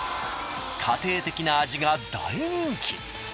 家庭的な味が大人気。